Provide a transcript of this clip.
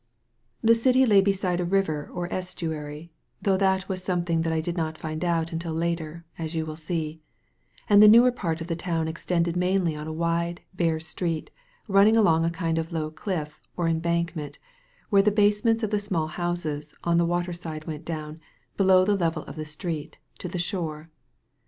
This dty lay beside a river or estuary — ^though that was something that I did not find out until later, as you will see — ^and the newer part of the town extended mainly on a wide, bare street run ning along a kind of low cliff or embankment, where the basements of the small houses on the water side went down, below the level of the street, to the shore.